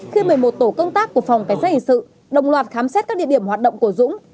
khi một mươi một tổ công tác của phòng cảnh sát hình sự đồng loạt khám xét các địa điểm hoạt động của dũng